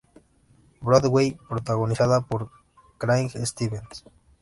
Broadway", protagonizada por Craig Stevens.